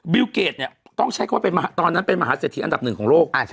วิวเกดเนี่ยต้องใช้คำว่าตอนนั้นเป็นมหาเศรษฐีอันดับหนึ่งของโลก